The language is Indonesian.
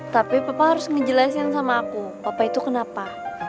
tapi papa harus ngejelasin sama aku papa itu kenapa